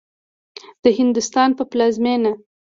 د هندوستان په پلازمېنه